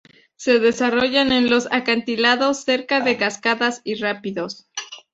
Se desarrollan en los acantilados, cerca de cascadas y rápidos.